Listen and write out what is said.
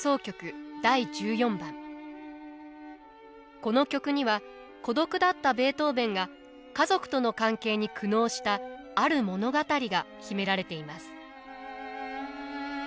この曲には孤独だったベートーヴェンが家族との関係に苦悩したある物語が秘められています。